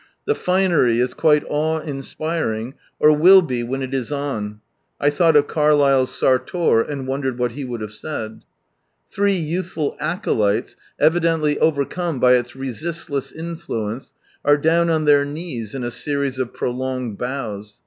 The finery is quite awe inspiring, or will be when it is on, (I thought of Carlyle's " Sartor," and wondered what he would have said !). Three youthful acolytes, evidently overcome by its resistless influence, are down on their knees in a series of prolonged bows.